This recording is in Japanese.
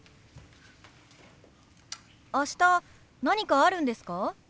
明日何かあるんですか？